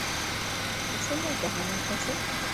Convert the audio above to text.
- Ысынды әйтәһеңме, әсәй?!